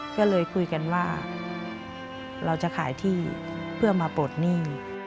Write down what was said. ก็เลยคุยกันว่าเราจะขายที่เพื่อมาปลดหนี้